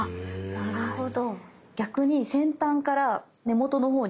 あなるほど。